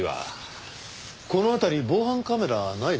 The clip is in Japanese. この辺り防犯カメラないですね。